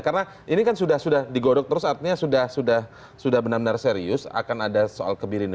karena ini kan sudah sudah digodok terus artinya sudah benar benar serius akan ada soal kebiri ini